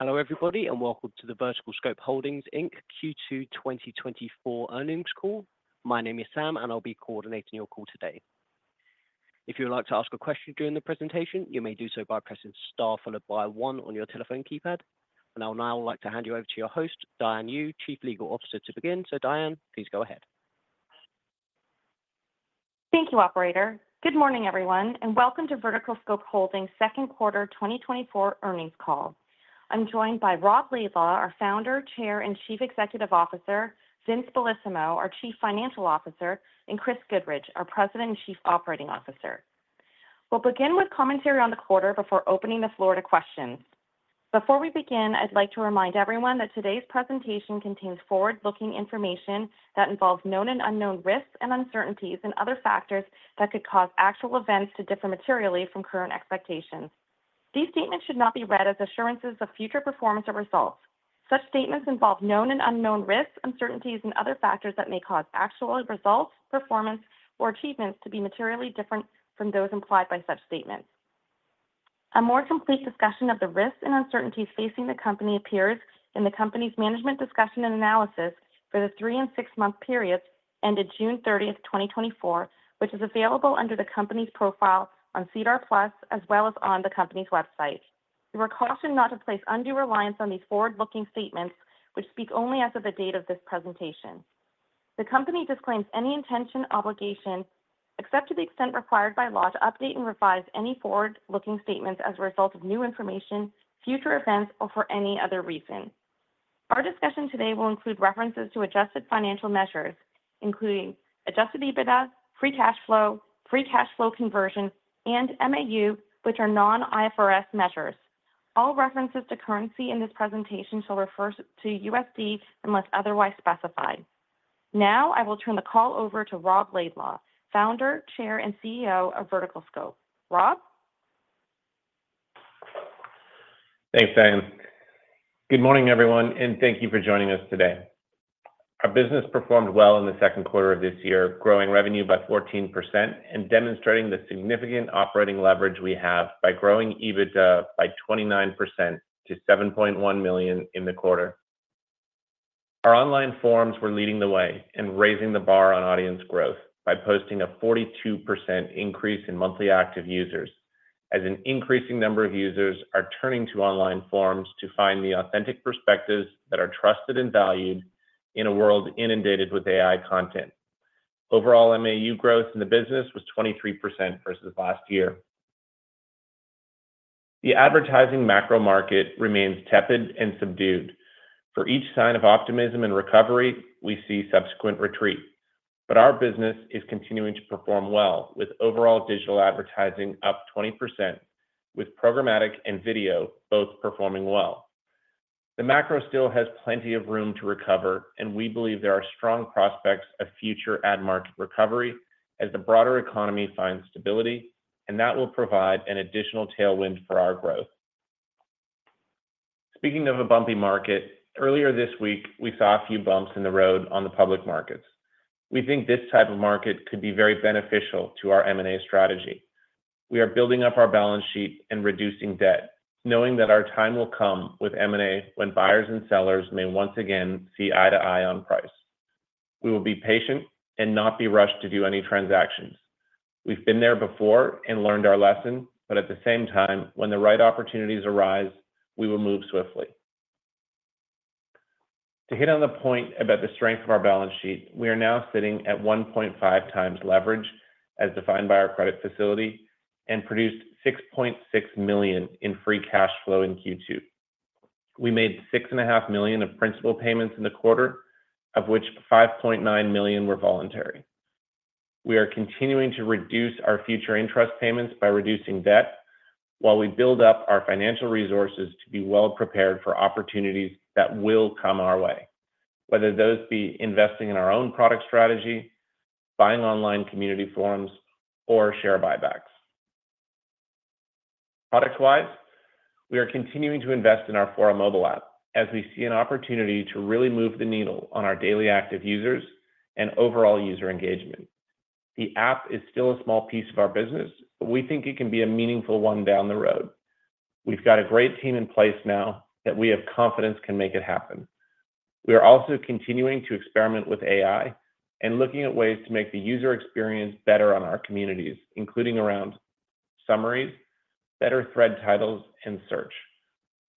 Hello, everybody, and welcome to the VerticalScope Holdings, Inc., Q2 2024 earnings Call. My name is Sam, and I'll be coordinating your call today. If you would like to ask a question during the presentation, you may do so by pressing star followed by one on your telephone keypad. Now I would now like to hand you over to your host, Diane Yu, Chief Legal Officer, to begin. Diane, please go ahead. Thank you, operator. Good morning, everyone, and welcome to VerticalScope Holdings' Second Quarter 2024 Earnings Call. I'm joined by Rob Laidlaw, our Founder, Chair, and Chief Executive Officer; Vince Bellissimo, our Chief Financial Officer; and Chris Goodrich, our President and Chief Operating Officer. We'll begin with commentary on the quarter before opening the floor to questions. Before we begin, I'd like to remind everyone that today's presentation contains forward-looking information that involves known and unknown risks and uncertainties and other factors that could cause actual events to differ materially from current expectations. These statements should not be read as assurances of future performance or results. Such statements involve known and unknown risks, uncertainties, and other factors that may cause actual results, performance, or achievements to be materially different from those implied by such statements. A more complete discussion of the risks and uncertainties facing the company appears in the company's management discussion and analysis for the three- and six-month periods ended June 30th, 2024, which is available under the company's profile on SEDAR+, as well as on the company's website. You were cautioned not to place undue reliance on these forward-looking statements, which speak only as of the date of this presentation. The company disclaims any intention, obligation, except to the extent required by law to update and revise any forward-looking statements as a result of new information, future events, or for any other reason. Our discussion today will include references to adjusted financial measures, including adjusted EBITDA, free cash flow, free cash flow conversion, and MAU, which are non-IFRS measures. All references to currency in this presentation shall refer to USD unless otherwise specified. Now, I will turn the call over to Rob Laidlaw, Founder, Chair, and CEO of VerticalScope. Rob? Thanks, Diane. Good morning, everyone, and thank you for joining us today. Our business performed well in the second quarter of this year, growing revenue by 14% and demonstrating the significant operating leverage we have by growing EBITDA by 29% to $7.1 million in the quarter. Our online forums were leading the way and raising the bar on audience growth by posting a 42% increase in monthly active users, as an increasing number of users are turning to online forums to find the authentic perspectives that are trusted and valued in a world inundated with AI content. Overall, MAU growth in the business was 23% versus last year. The advertising macro market remains tepid and subdued. For each sign of optimism and recovery, we see subsequent retreat. But our business is continuing to perform well, with overall digital advertising up 20%, with programmatic and video both performing well. The macro still has plenty of room to recover, and we believe there are strong prospects of future ad market recovery as the broader economy finds stability, and that will provide an additional tailwind for our growth. Speaking of a bumpy market, earlier this week, we saw a few bumps in the road on the public markets. We think this type of market could be very beneficial to our M&A strategy. We are building up our balance sheet and reducing debt, knowing that our time will come with M&A when buyers and sellers may once again see eye to eye on price. We will be patient and not be rushed to do any transactions. We've been there before and learned our lesson, but at the same time, when the right opportunities arise, we will move swiftly. To hit on the point about the strength of our balance sheet, we are now sitting at 1.5 times leverage, as defined by our credit facility, and produced $6.6 million in free cash flow in Q2. We made $6.5 million of principal payments in the quarter, of which $5.9 million were voluntary. We are continuing to reduce our future interest payments by reducing debt while we build up our financial resources to be well-prepared for opportunities that will come our way, whether those be investing in our own product strategy, buying online community forums, or share buybacks. Product-wise, we are continuing to invest in our forum mobile app as we see an opportunity to really move the needle on our daily active users and overall user engagement. The app is still a small piece of our business, but we think it can be a meaningful one down the road. We've got a great team in place now that we have confidence can make it happen. We are also continuing to experiment with AI and looking at ways to make the user experience better on our communities, including around summaries, better thread titles, and search.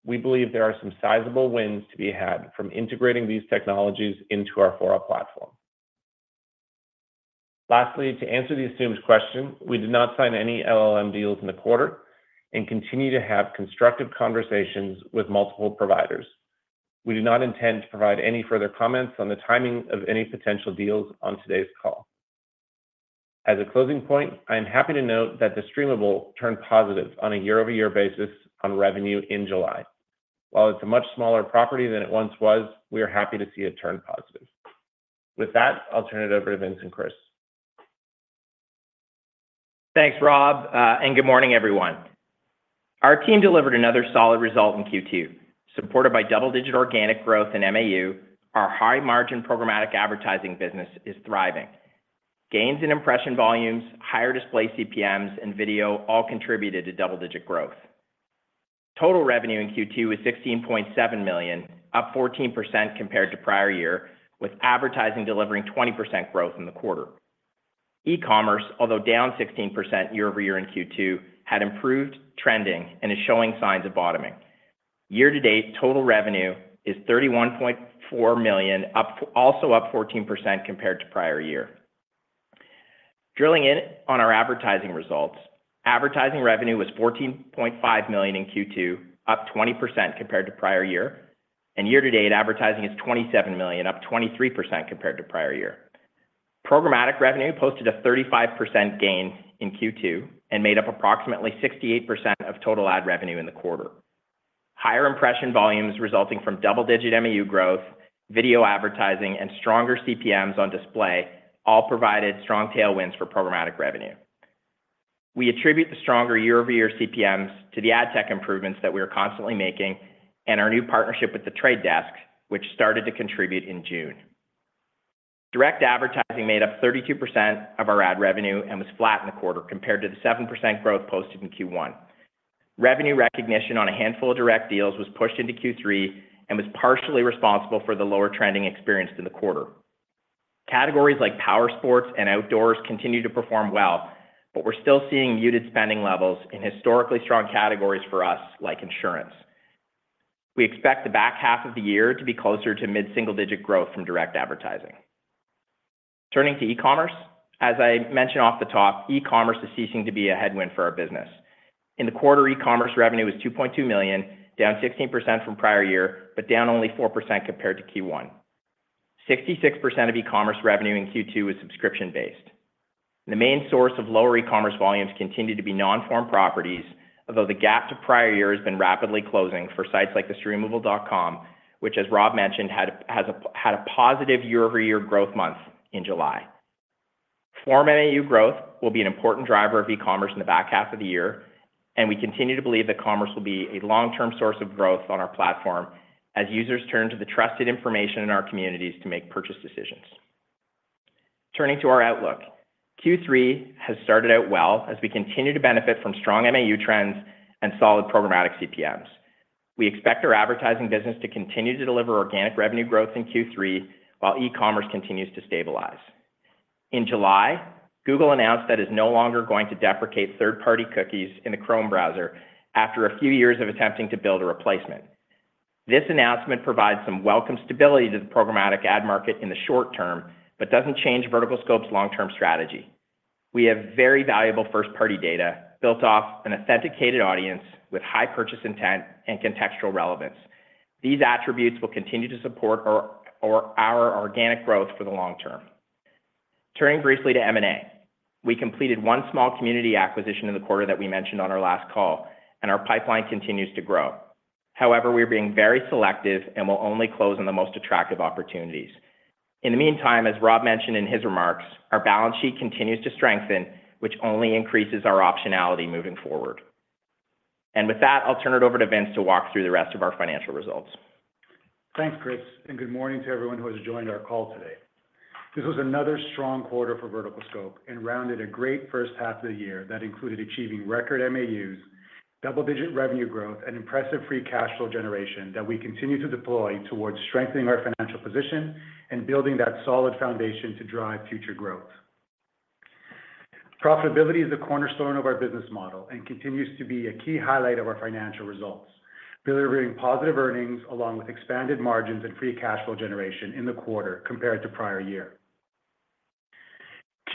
We believe there are some sizable wins to be had from integrating these technologies into our forum platform. Lastly, to answer the assumed question, we did not sign any LLM deals in the quarter and continue to have constructive conversations with multiple providers. We do not intend to provide any further comments on the timing of any potential deals on today's call. As a closing point, I am happy to note that The Streamable turned positive on a year-over-year basis on revenue in July. While it's a much smaller property than it once was, we are happy to see it turn positive. With that, I'll turn it over to Vince and Chris. Thanks, Rob, and good morning, everyone. Our team delivered another solid result in Q2, supported by double-digit organic growth in MAU. Our high-margin programmatic advertising business is thriving. Gains in impression volumes, higher display CPMs, and video all contributed to double-digit growth. Total revenue in Q2 was $16.7 million, up 14% compared to prior year, with advertising delivering 20% growth in the quarter. E-commerce, although down 16% year-over-year in Q2, had improved trending and is showing signs of bottoming. Year-to-date, total revenue is $31.4 million, up, also up 14% compared to prior year. Drilling in on our advertising results, advertising revenue was $14.5 million in Q2, up 20% compared to prior year, and year-to-date, advertising is $27 million, up 23% compared to prior year. Programmatic revenue posted a 35% gain in Q2 and made up approximately 68% of total ad revenue in the quarter. Higher impression volumes resulting from double-digit MAU growth, video advertising, and stronger CPMs on display, all provided strong tailwinds for programmatic revenue. We attribute the stronger year-over-year CPMs to the ad tech improvements that we are constantly making and our new partnership with The Trade Desk, which started to contribute in June. Direct advertising made up 32% of our ad revenue and was flat in the quarter compared to the 7% growth posted in Q1. Revenue recognition on a handful of direct deals was pushed into Q3 and was partially responsible for the lower trending experienced in the quarter. Categories like powersports and outdoors continue to perform well, but we're still seeing muted spending levels in historically strong categories for us, like insurance. We expect the back half of the year to be closer to mid-single-digit growth from direct advertising. Turning to e-commerce. As I mentioned off the top, e-commerce is ceasing to be a headwind for our business. In the quarter, e-commerce revenue was $2.2 million, down 16% from prior year, but down only 4% compared to Q1. 66% of e-commerce revenue in Q2 was subscription-based. The main source of lower e-commerce volumes continued to be non-forum properties, although the gap to prior year has been rapidly closing for sites like TheStreamable.com, which, as Rob mentioned, had had a positive year-over-year growth month in July. From MAU growth will be an important driver of e-commerce in the back half of the year, and we continue to believe that commerce will be a long-term source of growth on our platform as users turn to the trusted information in our communities to make purchase decisions. Turning to our outlook. Q3 has started out well as we continue to benefit from strong MAU trends and solid programmatic CPMs. We expect our advertising business to continue to deliver organic revenue growth in Q3, while e-commerce continues to stabilize. In July, Google announced that it's no longer going to deprecate third-party cookies in the Chrome browser after a few years of attempting to build a replacement. This announcement provides some welcome stability to the programmatic ad market in the short term, but doesn't change VerticalScope's long-term strategy. We have very valuable first-party data built off an authenticated audience with high purchase intent and contextual relevance. These attributes will continue to support our our organic growth for the long term. Turning briefly to M&A. We completed one small community acquisition in the quarter that we mentioned on our last call, and our pipeline continues to grow. However, we are being very selective and will only close on the most attractive opportunities. In the meantime, as Rob mentioned in his remarks, our balance sheet continues to strengthen, which only increases our optionality moving forward. And with that, I'll turn it over to Vince to walk through the rest of our financial results. Thanks, Chris, and good morning to everyone who has joined our call today. This was another strong quarter for VerticalScope and rounded a great first half of the year that included achieving record MAUs, double-digit revenue growth, and impressive free cash flow generation that we continue to deploy towards strengthening our financial position and building that solid foundation to drive future growth. Profitability is a cornerstone of our business model and continues to be a key highlight of our financial results, delivering positive earnings along with expanded margins and free cash flow generation in the quarter compared to prior year.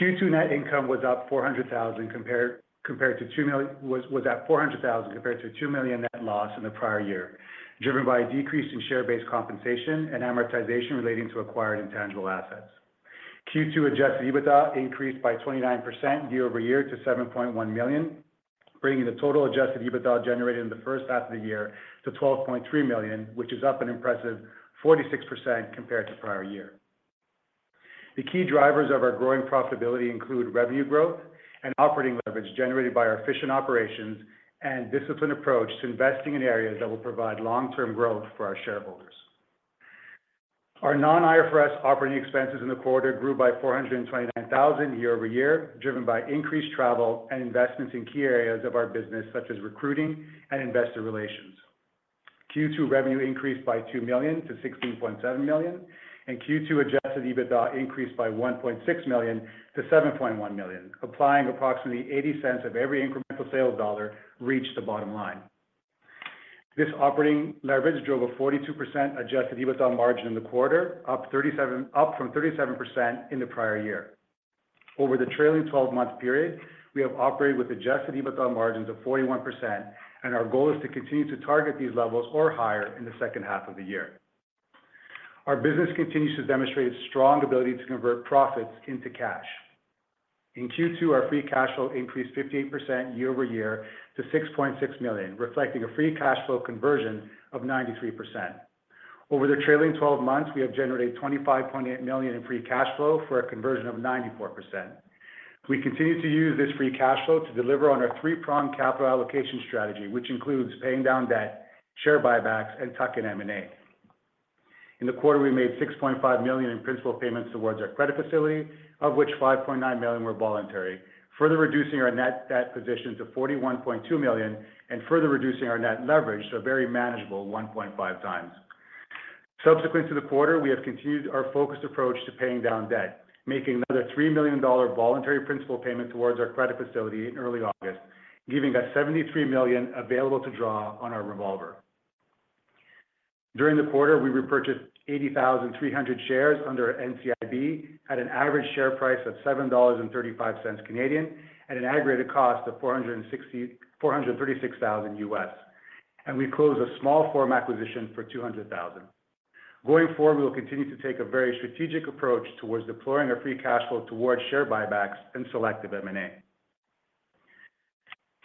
Q2 net income was up $400,000 compared to $2 million. Was at $400,000, compared to a $2 million net loss in the prior year, driven by a decrease in share-based compensation and amortization relating to acquired intangible assets. Q2 Adjusted EBITDA increased by 29% year-over-year to $7.1 million, bringing the Total Adjusted EBITDA generated in the first half of the year to $12.3 million, which is up an impressive 46% compared to prior year. The key drivers of our growing profitability include revenue growth and operating leverage generated by our efficient operations and disciplined approach to investing in areas that will provide long-term growth for our shareholders. Our non-IFRS operating expenses in the quarter grew by $429,000 year-over-year, driven by increased travel and investments in key areas of our business, such as recruiting and investor relations. Q2 revenue increased by $2 million to $16.7 million, and Q2 Adjusted EBITDA increased by $1.6 million to $7.1 million, applying approximately $0.80 of every incremental sales dollar reached the bottom line. This operating leverage drove a 42% Adjusted EBITDA margin in the quarter, up from 37% in the prior year. Over the trailing twelve-month period, we have operated with Adjusted EBITDA margins of 41%, and our goal is to continue to target these levels or higher in the second half of the year. Our business continues to demonstrate a strong ability to convert profits into cash. In Q2, our free cash flow increased 58% year-over-year to $6.6 million, reflecting a free cash flow conversion of 93%. Over the trailing twelve months, we have generated $25.8 million in free cash flow for a conversion of 94%. We continue to use this free cash flow to deliver on our three-pronged capital allocation strategy, which includes paying down debt, share buybacks, and tuck-in M&A. In the quarter, we made $6.5 million in principal payments towards our credit facility, of which $5.9 million were voluntary, further reducing our net debt position to $41.2 million and further reducing our net leverage to a very manageable 1.5 times. Subsequent to the quarter, we have continued our focused approach to paying down debt, making another $3 million voluntary principal payment towards our credit facility in early August, giving us $73 million available to draw on our revolver. During the quarter, we repurchased 80,300 shares under NCIB at an average share price of CAD $7.35, at an aggregated cost of $436,000, and we closed a small forum acquisition for $200,000. Going forward, we will continue to take a very strategic approach towards deploying our free cash flow towards share buybacks and selective M&A.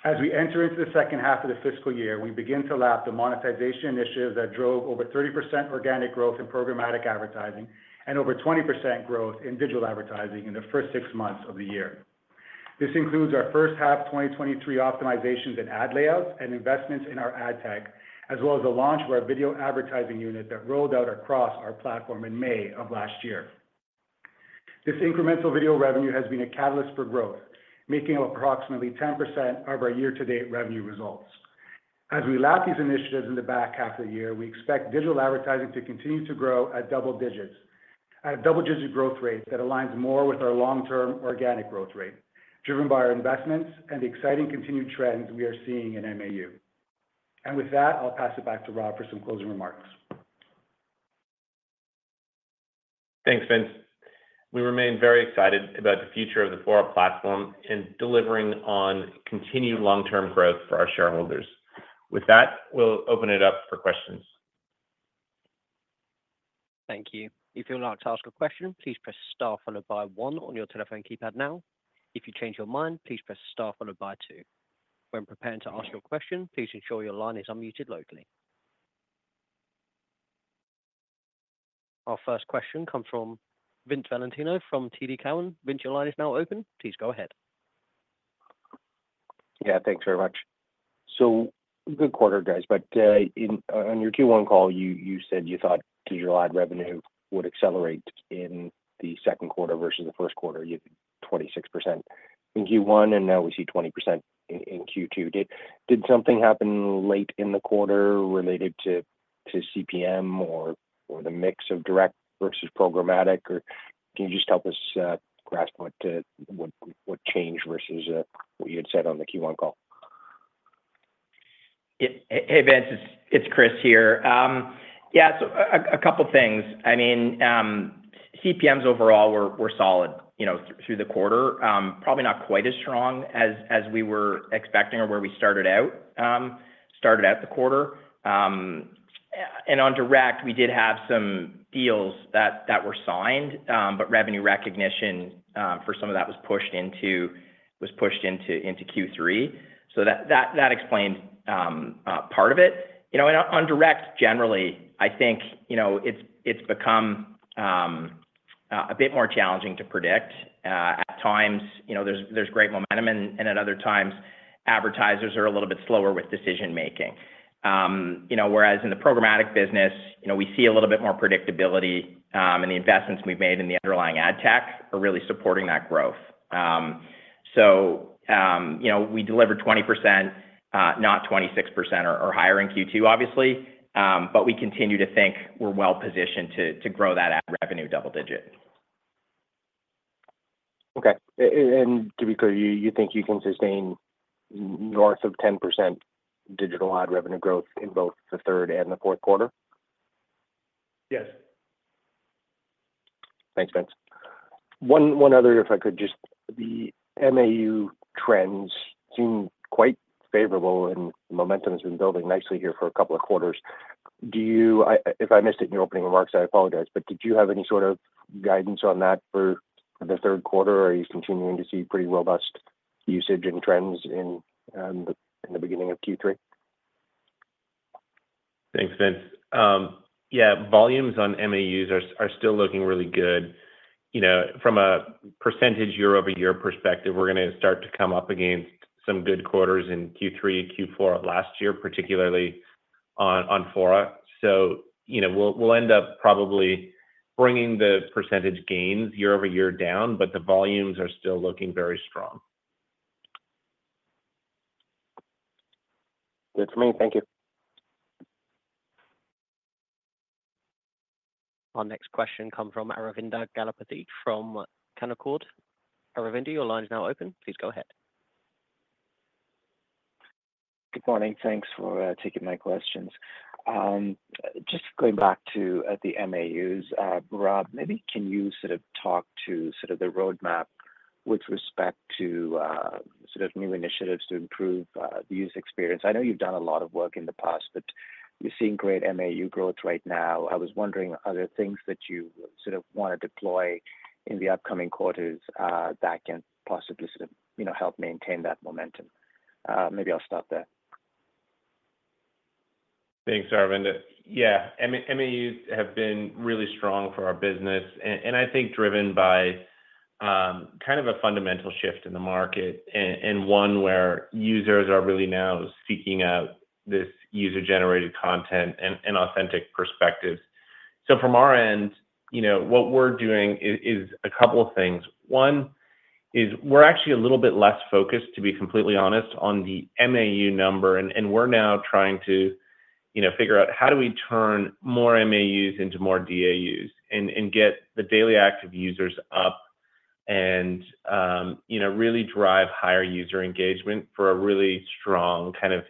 As we enter into the second half of the fiscal year, we begin to lap the monetization initiatives that drove over 30% organic growth in programmatic advertising and over 20% growth in digital advertising in the first six months of the year. This includes our first half 2023 optimizations in ad layouts and investments in our ad tech, as well as the launch of our video advertising unit that rolled out across our platform in May of last year. This incremental video revenue has been a catalyst for growth, making up approximately 10% of our year-to-date revenue results. As we lap these initiatives in the back half of the year, we expect digital advertising to continue to grow at double digits, at a double-digit growth rate that aligns more with our long-term organic growth rate, driven by our investments and the exciting continued trends we are seeing in MAU. And with that, I'll pass it back to Rob for some closing remarks. Thanks, Vince. We remain very excited about the future of the Fora platform and delivering on continued long-term growth for our shareholders. With that, we'll open it up for questions. Thank you. If you'd like to ask a question, please press star followed by one on your telephone keypad now. If you change your mind, please press star followed by two. When preparing to ask your question, please ensure your line is unmuted locally. Our first question comes from Vince Valentini from TD Cowen. Vince, your line is now open. Please go ahead. Yeah, thanks very much. So good quarter, guys, but on your Q1 call, you said you thought digital ad revenue would accelerate in the second quarter versus the first quarter, you had 26% in Q1, and now we see 20% in Q2. Did did something happen late in the quarter related to to CPM or or the mix of direct versus programmatic? Or can you just help us grasp what changed versus what you had said on the Q1 call? Hey, Vince, it's Chris here. Yeah, so a couple things. I mean, CPMs overall were solid, you know, through the quarter. Probably not quite as strong as as we were expecting or where we started out, started out the quarter. And on direct, we did have some deals that that were signed, but revenue recognition for some of that was pushed into, was pushed into Q3. So that that explains part of it. You know, and on direct, generally, I think, you know, it's it's become a bit more challenging to predict. At times, you know, there's there's great momentum, and at other times, advertisers are a little bit slower with decision making. You know, whereas in the programmatic business, you know, we see a little bit more predictability, and the investments we've made in the underlying ad tech are really supporting that growth. So, you know, we delivered 20%, not 26% or higher in Q2, obviously, but we continue to think we're well positioned to to grow that ad revenue double-digit. Okay. And to be clear, you think you can sustain north of 10% digital ad revenue growth in both the third and the fourth quarter? Yes. Thanks, Vince. One other, if I could just... The MAU trends seem quite favorable, and momentum has been building nicely here for a couple of quarters. Do you... If I missed it in your opening remarks, I apologize, but did you have any sort of guidance on that for the third quarter, or are you continuing to see pretty robust usage and trends in in the beginning of Q3? Thanks, Vince. Yeah, volumes on MAUs are still looking really good. You know, from a percentage year-over-year perspective, we're gonna start to come up against some good quarters in Q3 and Q4 of last year, particularly on Fora. So, you know, we'll end up probably bringing the percentage gains year-over-year down, but the volumes are still looking very strong. Good for me. Thank you. Our next question come from Aravinda Galappatthige from Canaccord. Aravinda, your line is now open. Please go ahead. Good morning. Thanks for taking my questions. Just going back to the MAUs, Rob, maybe can you sort of talk to sort of the roadmap with respect to sort of new initiatives to improve the user experience? I know you've done a lot of work in the past, but you're seeing great MAU growth right now. I was wondering, are there things that you sort of wanna deploy in the upcoming quarters that can possibly sort of, you know, help maintain that momentum? Maybe I'll stop there. Thanks, Aravinda. Yeah, MAUs have been really strong for our business, and I think driven by kind of a fundamental shift in the market, and and one where users are really now seeking out this user-generated content and authentic perspectives. So from our end, you know, what we're doing is a couple of things. One, is we're actually a little bit less focused, to be completely honest, on the MAU number, and we're now trying to, you know, figure out how do we turn more MAUs into more DAUs and get the daily active users up and, you know, really drive higher user engagement for a really strong, kind of,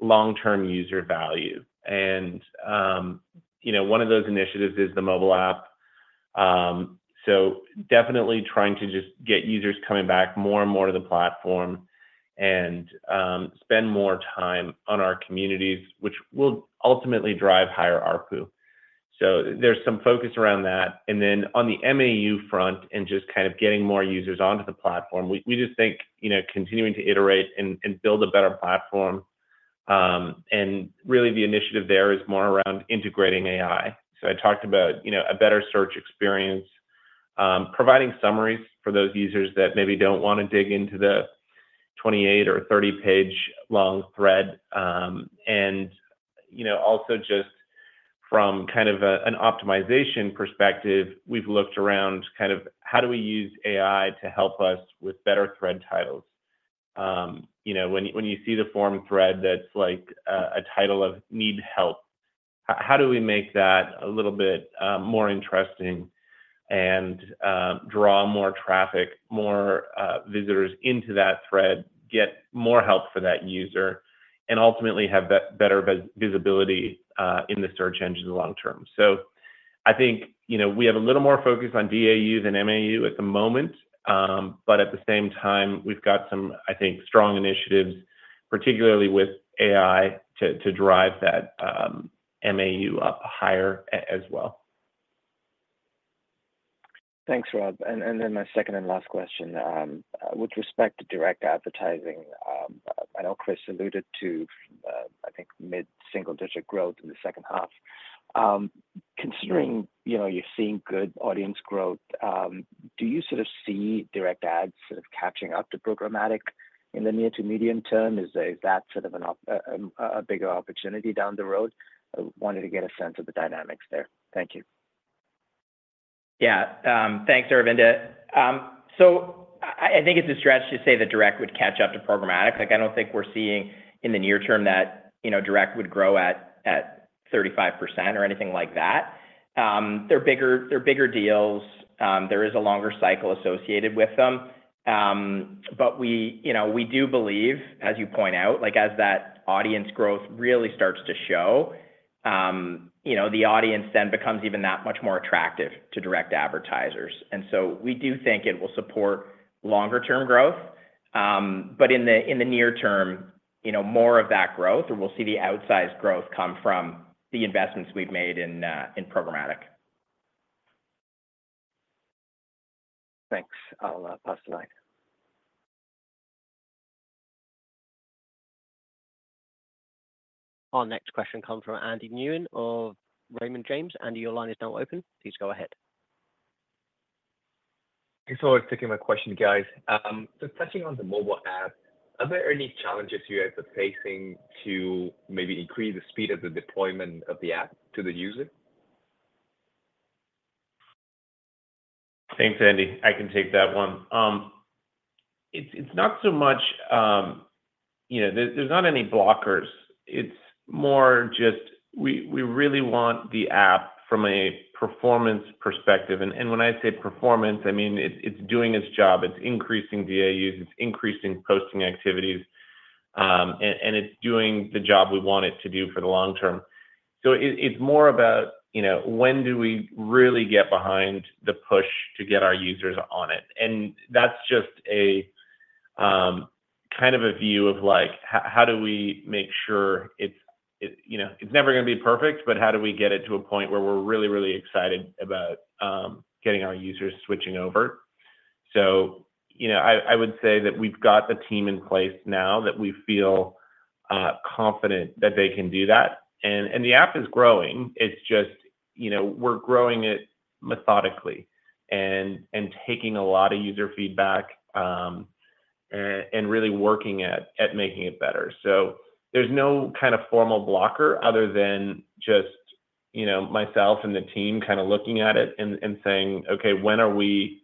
long-term user value. And, you know, one of those initiatives is the mobile app. So definitely trying to just get users coming back more and more to the platform and, spend more time on our communities, which will ultimately drive higher ARPU. So there's some focus around that. And then on the MAU front, and just kind of getting more users onto the platform, we, we just think, you know, continuing to iterate and, and build a better platform. And really, the initiative there is more around integrating AI. So I talked about, you know, a better search experience, providing summaries for those users that maybe don't wanna dig into the 28- or 30-page-long thread. And, you know, also just from kind of a, an optimization perspective, we've looked around kind of how do we use AI to help us with better thread titles? You know, when you, when you see the forum thread that's like, a title of "Need Help," how do we make that a little bit more interesting and draw more traffic, more visitors into that thread, get more help for that user, and ultimately have better visibility in the search engine long term? So I think, you know, we have a little more focus on DAU than MAU at the moment, but at the same time, we've got some, I think, strong initiatives, particularly with AI, to drive that MAU up higher as well. Thanks, Rob. And then my second and last question. With respect to direct advertising, I know Chris alluded to, I think mid-single digit growth in the second half. Considering- Yeah... you know, you're seeing good audience growth. Do you sort of see direct ads sort of catching up to programmatic in the near to medium term? Is that sort of a bigger opportunity down the road? I wanted to get a sense of the dynamics there. Thank you. Yeah. Thanks, Aravinda. So I, I think it's a stretch to say that direct would catch up to programmatic. Like, I don't think we're seeing in the near term that, you know, direct would grow at, at 35% or anything like that. They're bigger, they're bigger deals. There is a longer cycle associated with them. But we, you know, we do believe, as you point out, like, as that audience growth really starts to show, you know, the audience then becomes even that much more attractive to direct advertisers. And so we do think it will support longer term growth. But in the, in the near term, you know, more of that growth, or we'll see the outsized growth come from the investments we've made in, in programmatic. Thanks. I'll pass the line. Our next question comes from Andy Nguyen of Raymond James. Andy, your line is now open. Please go ahead. Thanks for taking my question, guys. So touching on the mobile app, are there any challenges you guys are facing to maybe increase the speed of the deployment of the app to the user? Thanks, Andy. I can take that one. It's it's not so much. You know, there's not any blockers. It's more just we really want the app from a performance perspective, and when I say performance, I mean, it's doing its job. It's increasing DAUs, it's increasing posting activities, and it's doing the job we want it to do for the long term. So it's more about, you know, when do we really get behind the push to get our users on it? And that's just a kind of a view of like, how do we make sure it, you know, it's never gonna be perfect, but how do we get it to a point where we're really, really excited about getting our users switching over? So, you know, I would say that we've got the team in place now that we feel confident that they can do that. And the app is growing. It's just, you know, we're growing it methodically and taking a lot of user feedback and really working at at making it better. So there's no kind of formal blocker other than just, you know, myself and the team kind of looking at it and and saying, "Okay, when are we,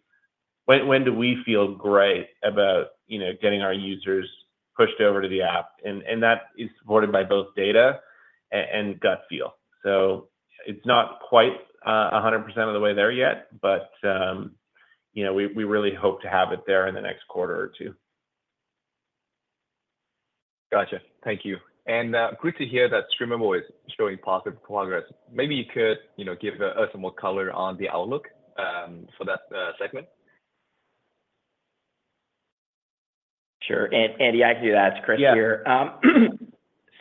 when do we feel great about, you know, getting our users pushed over to the app?" And that is supported by both data and gut feel. So it's not quite 100% of the way there yet, but you know, we really hope to have it there in the next quarter or two. Gotcha. Thank you. And, great to hear that Streamable is showing positive progress. Maybe you could, you know, give us more color on the outlook for that segment? Sure. And Andy, I can do that. It's Chris here. Yeah.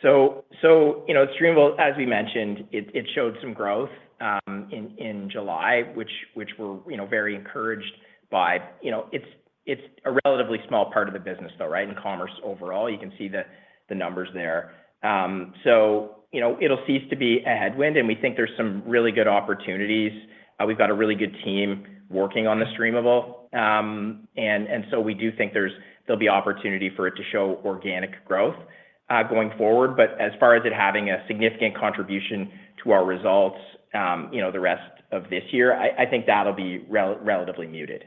So so, you know, Streamable, as we mentioned, it showed some growth in in July, which we're, you know, very encouraged by. You know, it's it's a relatively small part of the business, though, right? In commerce overall, you can see the numbers there. So, you know, it'll cease to be a headwind, and we think there's some really good opportunities. We've got a really good team working on the Streamable. And so we do think there'll be opportunity for it to show organic growth going forward. But as far as it having a significant contribution to our results, you know, the rest of this year, I think that'll be relatively muted.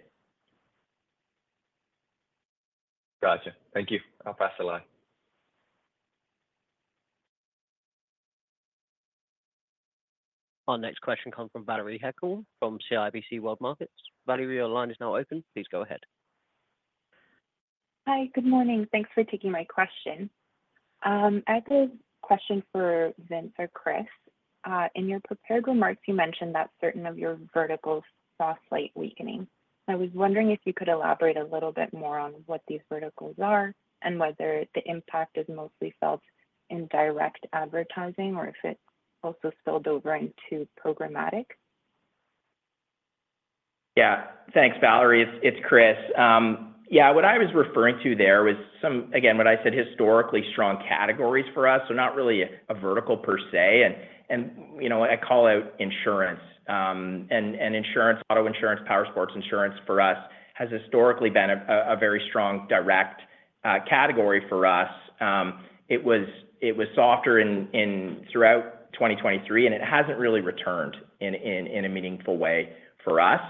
Gotcha. Thank you. I'll pass the line. Our next question comes from Valery Heckel, from CIBC World Markets. Valerie, your line is now open. Please go ahead. Hi, good morning. Thanks for taking my question. I had a question for Vince or Chris. In your prepared remarks, you mentioned that certain of your verticals saw slight weakening. I was wondering if you could elaborate a little bit more on what these verticals are, and whether the impact is mostly felt in direct advertising, or if it also spilled over into programmatic? Yeah. Thanks, Valery. It's Chris. Yeah, what I was referring to there was some. Again, what I said, historically strong categories for us, so not really a vertical per se. And you know, I call out insurance. And and insurance, auto insurance, powersports insurance for us, has historically been a very strong direct category for us. It was, it was softer throughout 2023, and it hasn't really returned in in in a meaningful way for us.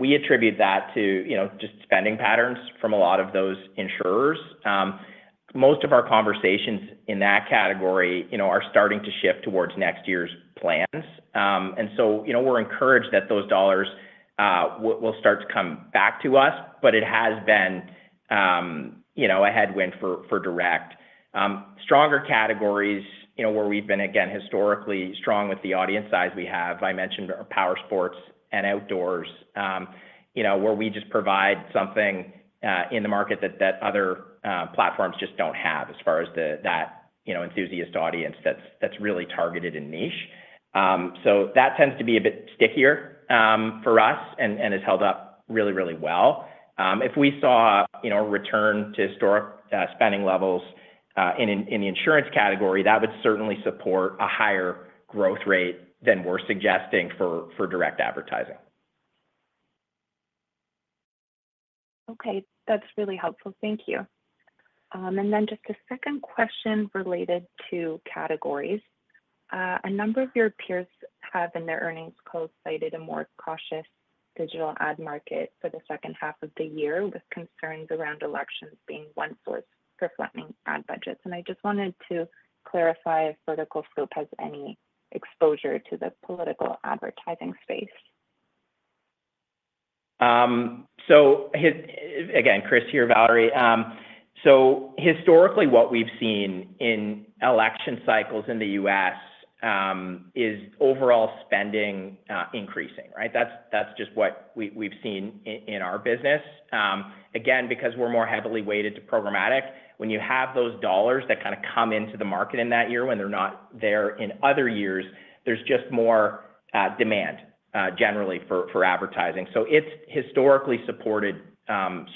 We attribute that to, you know, just spending patterns from a lot of those insurers. Most of our conversations in that category, you know, are starting to shift towards next year's plans. And so, you know, we're encouraged that those dollars will start to come back to us, but it has been, you know, a headwind for direct. Stronger categories, you know, where we've been, again, historically strong with the audience size we have, I mentioned, powersports and outdoors. You know, where we just provide something in the market that other platforms just don't have as far as the that you know, enthusiast audience that's really targeted and niche. So that tends to be a bit stickier for us, and has held up really, really well. If we saw, you know, a return to historic spending levels in the insurance category, that would certainly support a higher growth rate than we're suggesting for for direct advertising. Okay. That's really helpful. Thank you. And then just a second question related to categories. A number of your peers have, in their earnings quote, cited a more cautious digital ad market for the second half of the year, with concerns around elections being one source for flattening ad budgets. And I just wanted to clarify if VerticalScope has any exposure to the political advertising space? So hi again, Chris here, Valery. So historically, what we've seen in election cycles in the U.S. is overall spending increasing, right? That's just what we've seen in our business. Again, because we're more heavily weighted to programmatic, when you have those dollars that kinda come into the market in that year, when they're not there in other years, there's just more demand generally for advertising. So it's historically supported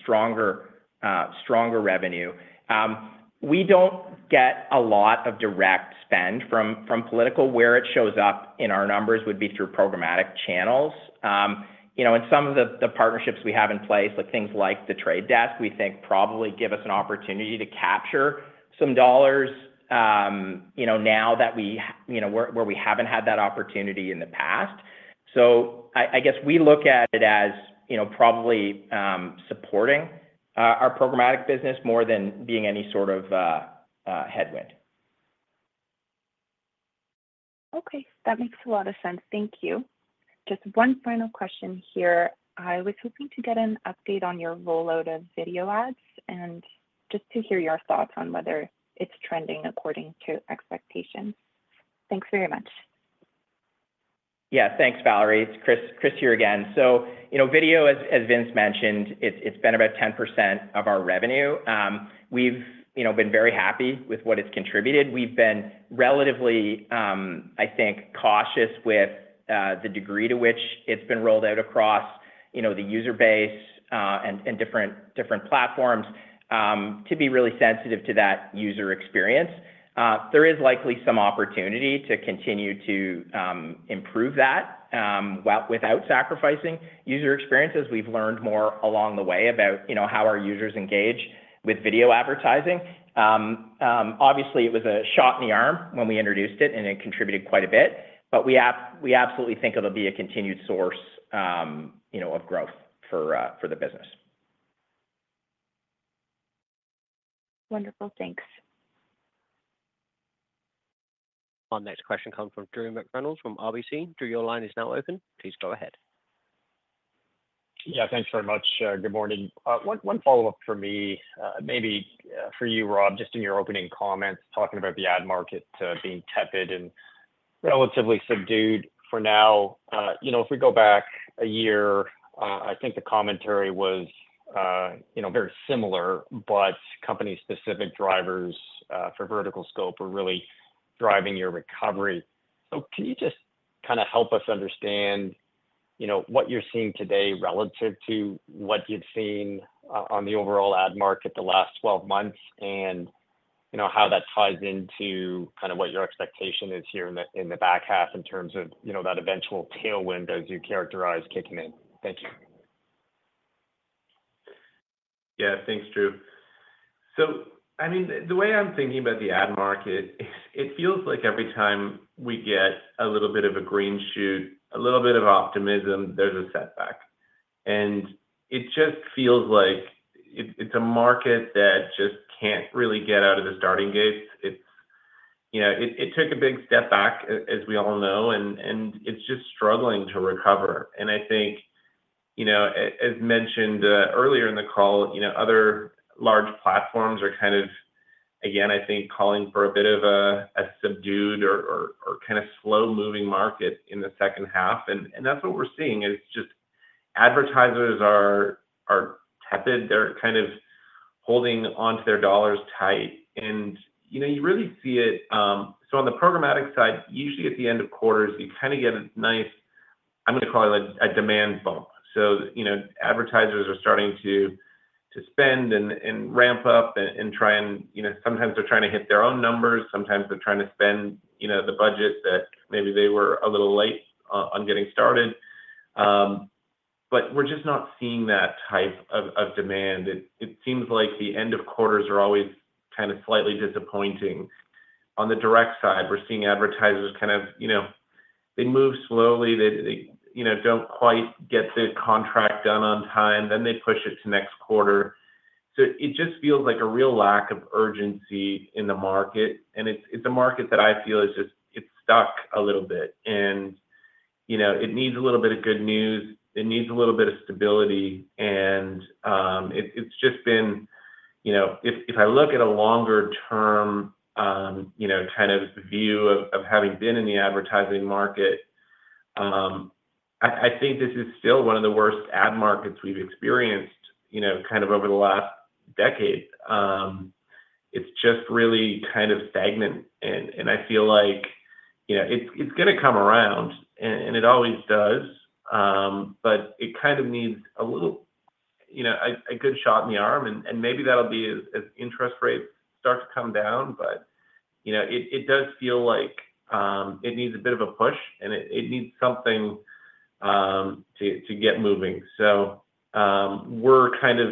stronger, stronger revenue. We don't get a lot of direct spend from from political. Where it shows up in our numbers would be through programmatic channels. You know, and some of the partnerships we have in place, with things like The Trade Desk, we think probably give us an opportunity to capture some dollars, you know, now that we, you know, where we haven't had that opportunity in the past. So I guess we look at it as, you know, probably supporting our programmatic business more than being any sort of headwind. Okay, that makes a lot of sense. Thank you. Just one final question here. I was hoping to get an update on your rollout of video ads, and just to hear your thoughts on whether it's trending according to expectations. Thanks very much. Yeah. Thanks, Valery. It's Chris, Chris here again. So, you know, video, as Vince mentioned, it's been about 10% of our revenue. We've, you know, been very happy with what it's contributed. We've been relatively, I think, cautious with the degree to which it's been rolled out across, you know, the user base, and different different platforms, to be really sensitive to that user experience. There is likely some opportunity to continue to improve that, but without sacrificing user experience, as we've learned more along the way about, you know, how our users engage with video advertising. Obviously, it was a shot in the arm when we introduced it, and it contributed quite a bit, but we, we absolutely think it'll be a continued source, you know, of growth for the business. Wonderful. Thanks. Our next question comes from Drew McReynolds, from RBC. Drew, your line is now open. Please go ahead. Yeah, thanks very much. Good morning. One follow-up for me, maybe for you, Rob, just in your opening comments, talking about the ad market being tepid and relatively subdued for now. You know, if we go back a year, I think the commentary was, you know, very similar, but company-specific drivers for VerticalScope are really driving your recovery. So can you just kind of help us understand, you know, what you're seeing today relative to what you've seen on the overall ad market the last 12 months, and, you know, how that ties into kind of what your expectation is here in the back half in terms of, you know, that eventual tailwind, as you characterize, kicking in? Thank you. Yeah. Thanks, Drew. So, I mean, the way I'm thinking about the ad market, it feels like every time we get a little bit of a green shoot, a little bit of optimism, there's a setback. And it just feels like it, it's a market that just can't really get out of the starting gate. It's, you know, it took a big step back, as we all know, and it's just struggling to recover. And I think, you know, as mentioned earlier in the call, you know, other large platforms are kind of, again, I think, calling for a bit of a subdued or or kind of slow-moving market in the second half. And that's what we're seeing, is just advertisers are are tepid. They're kind of holding onto their dollars tight. And, you know, you really see it. So on the programmatic side, usually at the end of quarters, you kind of get a nice, I'm gonna call it, like, a demand bump. So, you know, advertisers are starting to spend and ramp up and try and, you know, sometimes they're trying to hit their own numbers, sometimes they're trying to spend, you know, the budget that maybe they were a little late on getting started. But we're just not seeing that type of of demand. It seems like the end of quarters are always kind of slightly disappointing. On the direct side, we're seeing advertisers kind of, you know, they move slowly, they, you know, don't quite get the contract done on time, then they push it to next quarter. So it just feels like a real lack of urgency in the market, and it's a market that I feel is just stuck a little bit. And, you know, it needs a little bit of good news. It needs a little bit of stability, and it just been. You know, if I look at a longer-term, you know, kind of view of having been in the advertising market, I think this is still one of the worst ad markets we've experienced, you know, kind of over the last decade. It's just really kind of stagnant, and I feel like, you know, it's gonna come around, and it always does. But it kind of needs a little, you know, a good shot in the arm, and maybe that'll be as interest rates start to come down. But, you know, it does feel like it needs a bit of a push, and it needs something to get moving. So, we're kind of,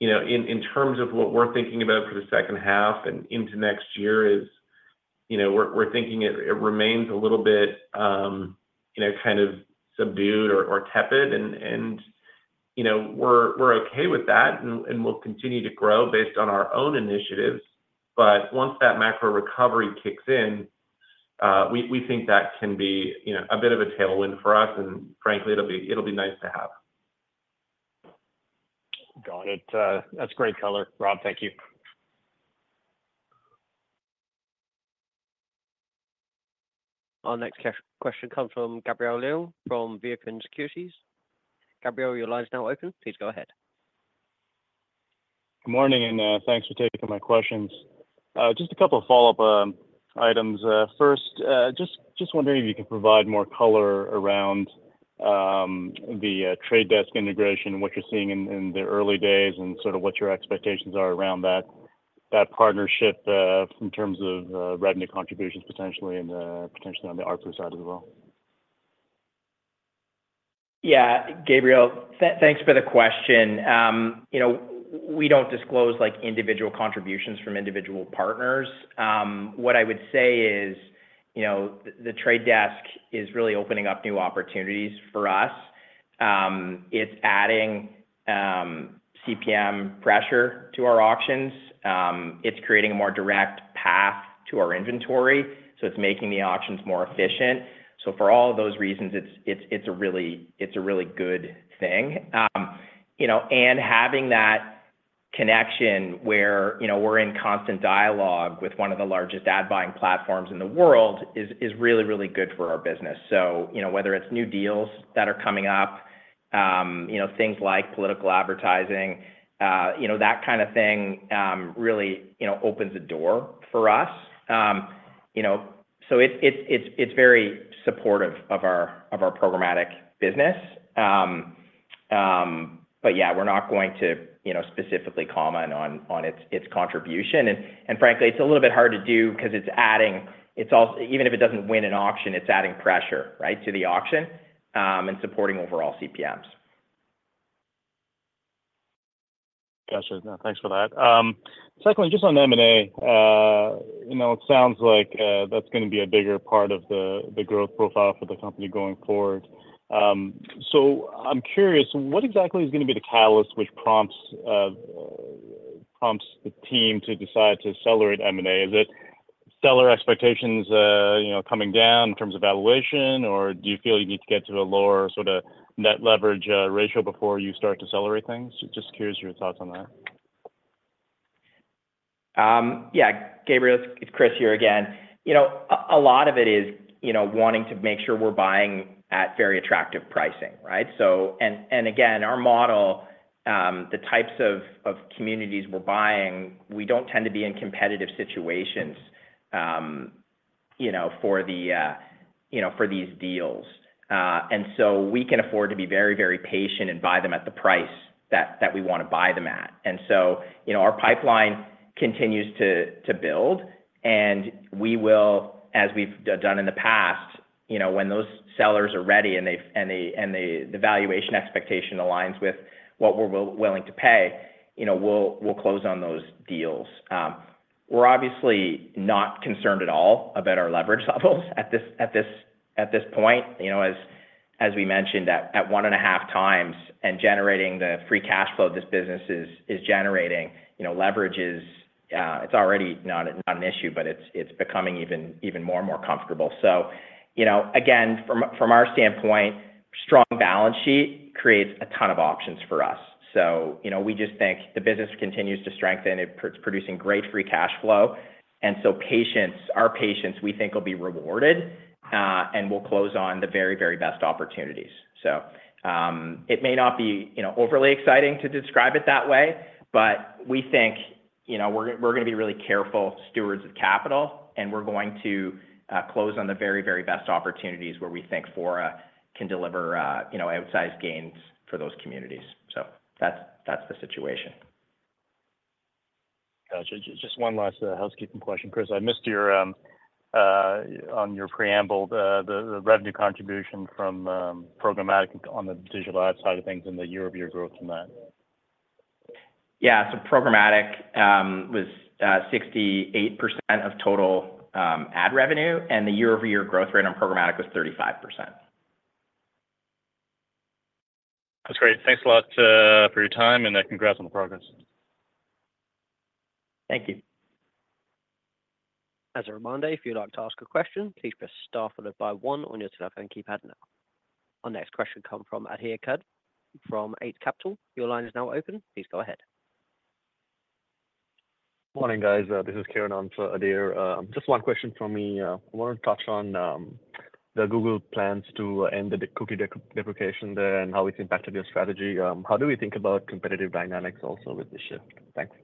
you know, in terms of what we're thinking about for the second half and into next year is, you know, we're thinking it remains a little bit, you know, kind of subdued or tepid. And and, you know, we're okay with that, and we'll continue to grow based on our own initiatives. But once that macro recovery kicks in, we think that can be, you know, a bit of a tailwind for us. Frankly, it'll be nice to have. Got it. That's great color, Rob. Thank you. Our next question comes from Gabriel Leung from Beacon Securities. Gabriel, your line is now open. Please go ahead. Good morning, and thanks for taking my questions. Just a couple of follow-up items. First, just just wondering if you could provide more color around The Trade Desk integration and what you're seeing in the early days, and sort of what your expectations are around that that partnership in terms of revenue contributions potentially and potentially on the ARPU side as well. Yeah. Gabriel, thanks for the question. You know, we don't disclose, like, individual contributions from individual partners. What I would say is, you know, The Trade Desk is really opening up new opportunities for us. It's adding CPM pressure to our auctions. It's creating a more direct path to our inventory, so it's making the auctions more efficient. So for all of those reasons, it's a really, it's a really good thing. You know, and having that connection where, you know, we're in constant dialogue with one of the largest ad buying platforms in the world, is is really really good for our business. So, you know, whether it's new deals that are coming up, you know, things like political advertising, that kind of thing, really, you know, opens the door for us. You know, so it's it's it's very supportive of our, of our programmatic business. But yeah, we're not going to, you know, specifically comment on on its contribution. And frankly, it's a little bit hard to do because it's adding. Even if it doesn't win an auction, it's adding pressure, right, to the auction, and supporting overall CPMs. Gotcha. No, thanks for that. Secondly, just on M&A, you know, it sounds like that's gonna be a bigger part of the the growth profile for the company going forward. So I'm curious, what exactly is gonna be the catalyst which prompts the team to decide to accelerate M&A? Is it seller expectations, you know, coming down in terms of valuation, or do you feel you need to get to a lower sort of net leverage ratio before you start to accelerate things? Just curious your thoughts on that. Yeah, Gabriel, it's Chris here again. You know, a lot of it is, you know, wanting to make sure we're buying at very attractive pricing, right? So and and again, our model, the types of of communities we're buying, we don't tend to be in competitive situations, you know, for the, you know, for these deals. And so we can afford to be very, very patient and buy them at the price that that we wanna buy them at. And so, you know, our pipeline continues to to build, and we will, as we've done in the past, you know, when those sellers are ready, and they, and they, the valuation expectation aligns with what we're willing to pay, you know, we'll we'll close on those deals. We're obviously not concerned at all about our leverage levels at this at this at this point. You know, as as we mentioned, at 1.5x and generating the free cash flow this business is is generating, you know, leverage is already not an issue, but it's it's becoming even even more and more comfortable. So, you know, again, from our, from our standpoint, strong balance sheet creates a ton of options for us. So, you know, we just think the business continues to strengthen. It's producing great free cash flow, and so patience, our patience, we think will be rewarded, and we'll close on the very best opportunities. So, it may not be, you know, overly exciting to describe it that way, but we think, you know, we're, we're gonna be really careful stewards of capital, and we're going to close on the very, very best opportunities where we think Fora can deliver, you know, outsized gains for those communities. So that's, that's the situation. Gotcha. Just one last housekeeping question, Chris. I missed your on your preamble, the revenue contribution from programmatic on the digital ad side of things and the year-over-year growth from that? Yeah. So programmatic was 68% of total ad revenue, and the year-over-year growth rate on programmatic was 35%. That's great. Thanks a lot, for your time, and congrats on the progress. Thank you. As a reminder, if you'd like to ask a question, please press star followed by one on your telephone keypad now. Our next question comes from Adhir Kadve from Eight Capital. Your line is now open, please go ahead. Morning, guys. This is Kieran on for Adhir. Just one question for me. I wanna touch on the Google plans to end the cookie deprecation there and how it's impacted your strategy. How do we think about competitive dynamics also with this shift? Thanks.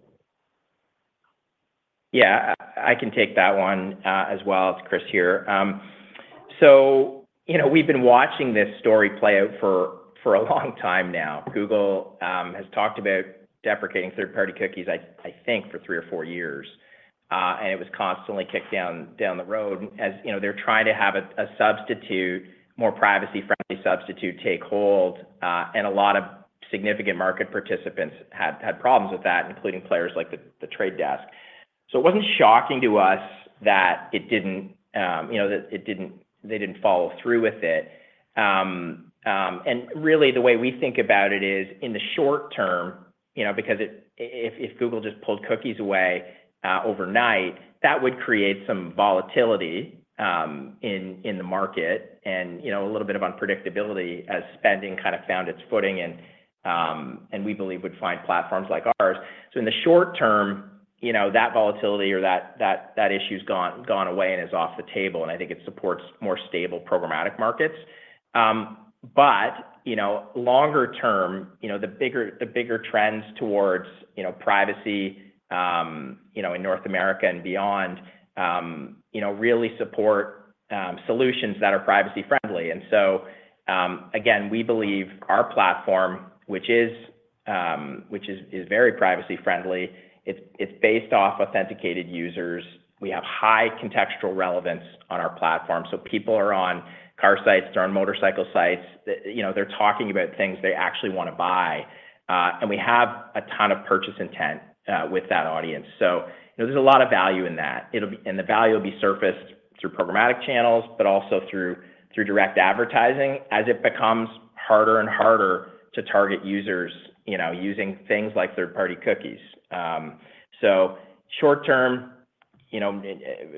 Yeah, I can take that one, as well. It's Chris here. So, you know, we've been watching this story play out for for a long time now. Google has talked about deprecating third-party cookies, I think, for three or four years, and it was constantly kicked down the road as, you know, they're trying to have a substitute, more privacy-friendly substitute, take hold. And a lot of significant market participants have had problems with that, including players like The Trade Desk. So it wasn't shocking to us that it didn't, you know, that it didn't—they didn't follow through with it. And really, the way we think about it is, in the short term, you know, because it... If Google just pulled cookies away overnight, that would create some volatility in in the market and, you know, a little bit of unpredictability as spending kind of found its footing and we believe would find platforms like ours. So in the short term, you know, that volatility or that that that issue's gone gone away and is off the table, and I think it supports more stable programmatic markets. But, you know, longer term, you know, the bigger, the bigger trends towards, you know, privacy, you know, in North America and beyond, you know, really support solutions that are privacy-friendly. And so, again, we believe our platform, which is, which is very privacy-friendly, it's based off authenticated users. We have high contextual relevance on our platform, so people are on car sites, they're on motorcycle sites. You know, they're talking about things they actually wanna buy. And we have a ton of purchase intent with that audience. So you know, there's a lot of value in that. And the value will be surfaced through programmatic channels, but also through through direct advertising as it becomes harder and harder to target users, you know, using things like third-party cookies. So short term, you know,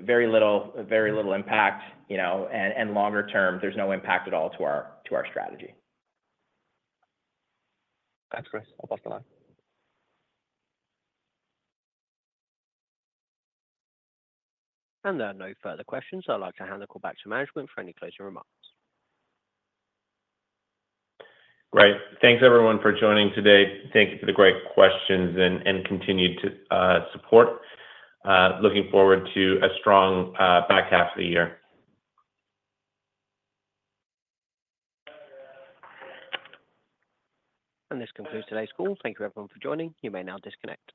very little, very little impact, you know, and longer term, there's no impact at all to our, to our strategy. Thanks, Chris. I'll pass the line. There are no further questions. I'd like to hand the call back to management for any closing remarks. Great. Thanks, everyone, for joining today. Thank you for the great questions and continued to support. Looking forward to a strong, back half of the year. This concludes today's call. Thank you, everyone, for joining. You may now disconnect.